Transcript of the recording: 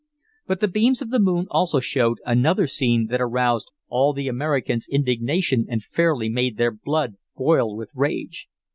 But the beams of the moon also showed another scene that aroused all the Americans' indignation and fairly made their blood boil with rage.